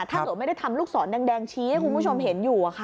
ถ้าเกิดไม่ได้ทำลูกศรแดงชี้ให้คุณผู้ชมเห็นอยู่